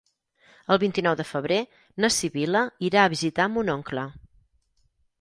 El vint-i-nou de febrer na Sibil·la irà a visitar mon oncle.